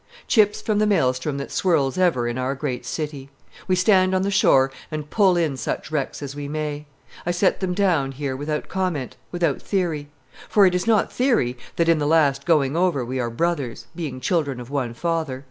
Chips from the maelstrom that swirls ever in our great city. We stand on the shore and pull in such wrecks as we may. I set them down here without comment, without theory. For it is not theory that in the last going over we are brothers, being children of one Father.